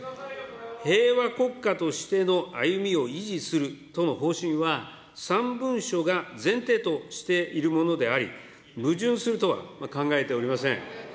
平和国家としての歩みを維持するとの方針は、３文書が前提としているものであり、矛盾するとは考えておりません。